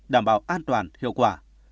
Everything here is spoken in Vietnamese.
đảm bảo an toàn hiệu quả